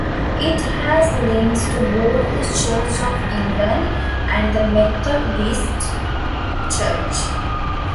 It has links to both the Church of England and the Methodist Church.